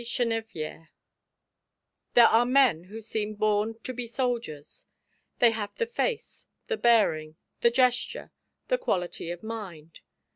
CHENEVIERE There are men who seem born to be soldiers. They have the face, the bearing, the gesture, the quality of mind.